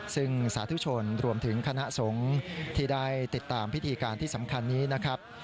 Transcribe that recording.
ซึ่งสาธุชนรวมถึงคณะสงฆ์ที่ได้ติดตามพิธีการที่สำคัญนี้นะครับ